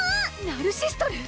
ナルシストルー！